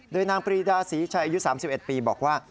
โดยนางปรีดาศรีชัยอายุ๓๑ปีบอกว่า